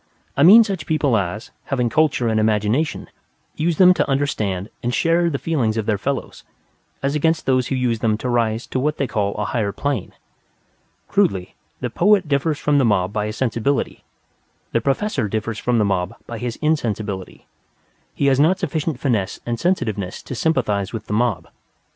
I mean such people as, having culture and imagination, use them to understand and share the feelings of their fellows; as against those who use them to rise to what they call a higher plane. Crudely, the poet differs from the mob by his sensibility; the professor differs from the mob by his insensibility. He has not sufficient finesse and sensitiveness to sympathize with the mob.